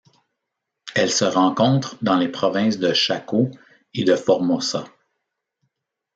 Elle se rencontre dans les provinces de Chaco et de Formosa.